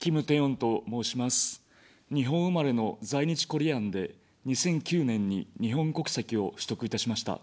日本生まれの在日コリアンで２００９年に日本国籍を取得いたしました。